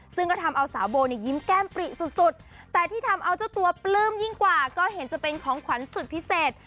ซึ่งก็ทำเอาสาวโบเนี่ยยิ้มแก้มปริสุดแต่ที่ทำเอาเจ้าตัวปลื้มยิ่งกว่าก็เห็นจะเป็นของขวัญสุดพิเศษ